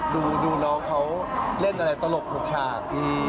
ดูน้องเขาเล่นอะไรตลกถูกฉาก